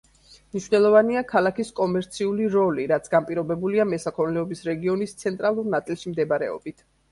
მნიშვნელოვანია ქალაქის კომერციული როლი, რაც განპირობებულია მესაქონლეობის რეგიონის ცენტრალურ ნაწილში მდებარეობით.